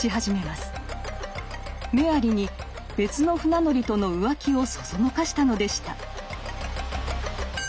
メアリに別の船乗りとの浮気をそそのかしたのでした。